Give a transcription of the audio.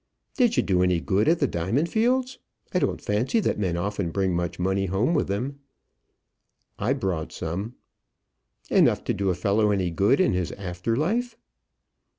"Did you do any good at the diamond fields? I don't fancy that men often bring much money home with them." "I brought some." "Enough to do a fellow any good in his after life?"